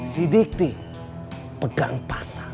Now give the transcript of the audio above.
si dikti pegang pasar